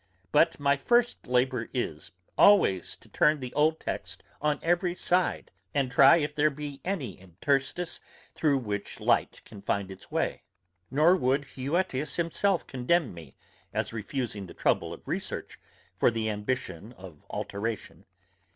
But my first labour is, always to turn the old text on every side, and try if there be any interstice, through which light can find its way; nor would Huetius himself condemn me, as refusing the trouble of research, for the ambition of alteration.